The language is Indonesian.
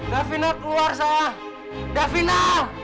davina keluar saja davina